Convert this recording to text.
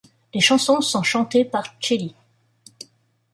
Les chansons sont chantés par chelly.